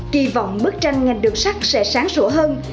kỳ vọng bức tranh ngành đường sắt sẽ sáng sủa hơn